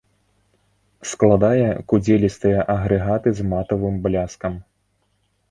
Складае кудзелістыя агрэгаты з матавым бляскам.